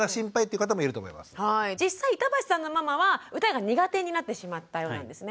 実際板橋さんのママは歌が苦手になってしまったようなんですね。